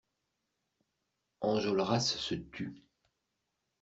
Enjolras se tut.